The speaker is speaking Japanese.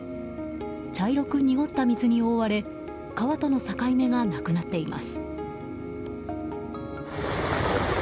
茶色く濁った水に覆われ川との境目がなくなっています。